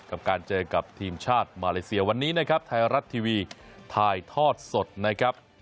กับการเจอกับทีมชาติมาเลเซียวันนี้นะครับไทยรัฐทีวีถ่ายทอดสดนะครับ